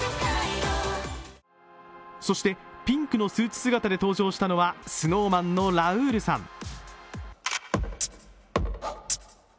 そしてピンクのスーツ姿で登場したのはＳｎｏｗＭａｎのラウールさん。